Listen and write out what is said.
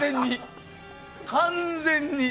完全に！